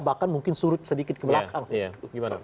bahkan mungkin surut sedikit ke belakang